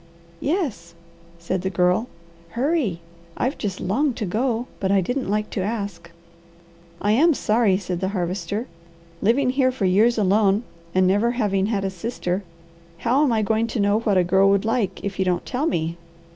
"Yes," said the Girl. "Hurry! I've just longed to go, but I didn't like to ask." "I am sorry," said the Harvester. "Living here for years alone and never having had a sister, how am I going to know what a girl would like if you don't tell me?